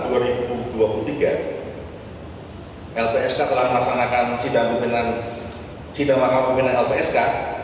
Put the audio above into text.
dua puluh tiga wib lpsk telah melaksanakan sidang makam pimpinan lpsk